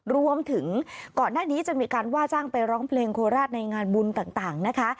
รวมถึงก่อนหน้านี้จะมีการว่าจ้างไปร้องเพลงโคราชในงานบุญต่างนะคะ